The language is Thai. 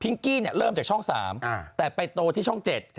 พิงกี้เนี่ยเริ่มจากช่อง๓แต่ไปโตที่ช่อง๗